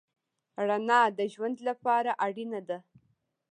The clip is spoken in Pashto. رڼا د ژوند لپاره اړینه ده.